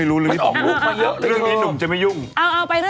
เออนั่นแหละสิ